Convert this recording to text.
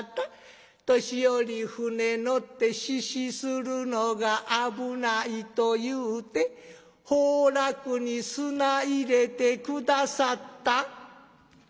年寄り船乗ってししするのが危ないと言うて焙烙に砂入れて下さった」。